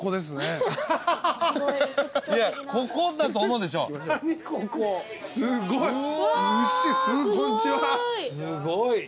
すごい。